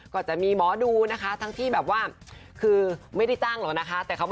ก็จะมีหมอดูนะคะทั้งที่แบบว่าคือไม่ได้จ้างหรอกนะคะ